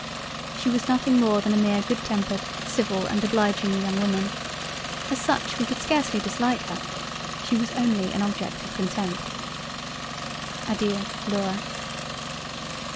She was nothing more than a mere good tempered, civil and obliging young woman; as such we could scarcely dislike here—she was only an Object of Contempt—. Adeiu Laura.